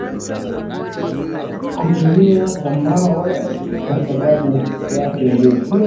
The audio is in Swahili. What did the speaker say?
hutumiwa kwa mbao kwa sababu yake nguvu